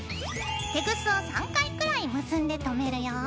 テグスを３回くらい結んで留めるよ。